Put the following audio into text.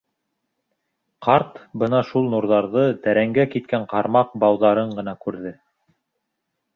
Ҡарт бына шул нурҙарҙы, тәрәнгә киткән ҡармаҡ бауҙарын ғына күрҙе.